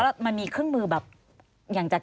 สวัสดีค่ะที่จอมฝันครับ